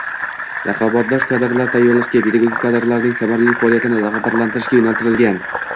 raqobatbardosh kadrlar tayyorlashga, pedagog kadrlarning samarali faoliyatini rag`batlantirishga yo`naltirilgan